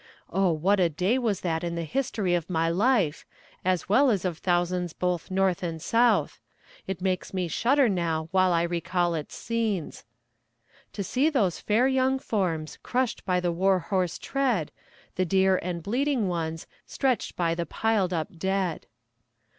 Oh, what a day was that in the history of my life, as well as of thousands both North and South. It makes me shudder now while I recall its scenes. To see those fair young forms Crushed by the war horse tread, The dear and bleeding ones Stretched by the piled up dead.